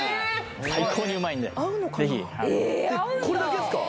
最高にうまいんでぜひこれだけですか！？